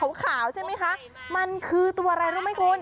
ขาวใช่ไหมคะมันคือตัวอะไรรู้ไหมคุณ